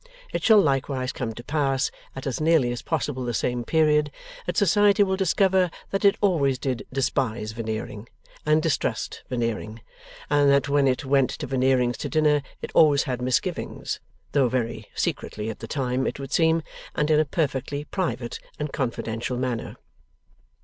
It shall likewise come to pass, at as nearly as possible the same period, that Society will discover that it always did despise Veneering, and distrust Veneering, and that when it went to Veneering's to dinner it always had misgivings though very secretly at the time, it would seem, and in a perfectly private and confidential manner.